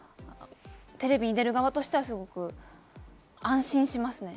テレビに出る側としては、すごい安心しますね。